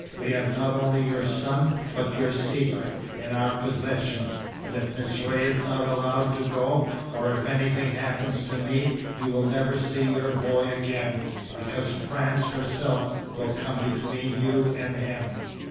We have not only your son, but your secret, in our possession; and if Miss Ray is not allowed to go, or if anything happens to me, you will never see your boy again, because France herself will come between you and him.